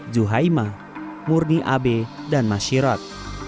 juhaima murni abe dan mas syirat